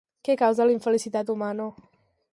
Què causa la infelicitat humana?